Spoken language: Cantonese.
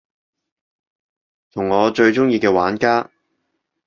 同我最鍾意嘅玩家